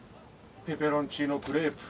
ペペロンチーノクレープ。